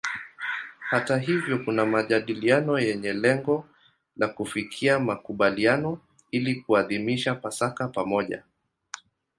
Hata hivyo kuna majadiliano yenye lengo la kufikia makubaliano ili kuadhimisha Pasaka pamoja.